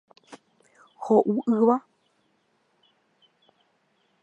Ho'u yva.